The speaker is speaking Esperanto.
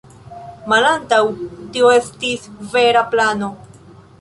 Malantaŭ tio estis vera plano.